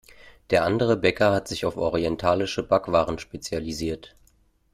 Der andere Bäcker hat sich auf orientalische Backwaren spezialisiert.